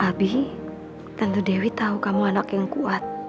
abi tante dewi tahu kamu anak yang kuat